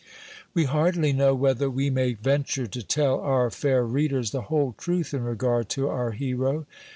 We hardly know whether we may venture to tell our fair readers the whole truth in regard to our hero.